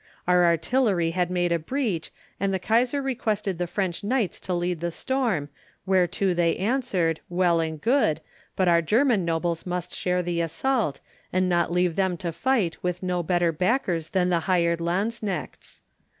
Our artillery had made a breach, and the Kaisar requested the French knights to lead the storm, whereto they answered, Well and good, but our German nobles must share the assault, and not leave them to fight with no better backers than the hired lanzknechts.